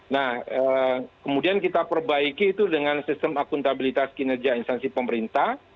nah kemudian kita perbaiki itu dengan sistem akuntabilitas kinerja instansi pemerintah